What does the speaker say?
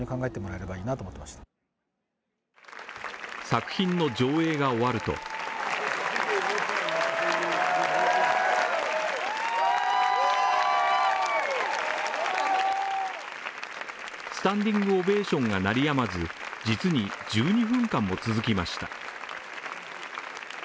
作品の上映が終わるとスタンディングオベーションが鳴りやまず、実に１２分間も続きました。